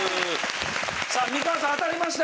さあ美川さん当たりました。